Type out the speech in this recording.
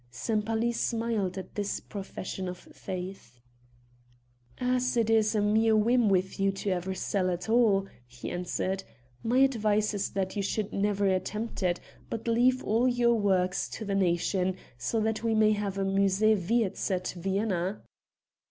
Sempaly smiled at this profession of faith. "As it is a mere whim with you ever to sell at all," he answered, "my advice is that you should never attempt it, but leave all your works to the nation, so that we may have a Musée Wierz at Vienna."